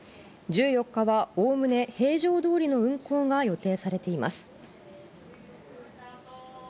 １４日はおおむね、平常どおりの運航が予定されています。